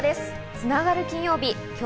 つながる金曜日。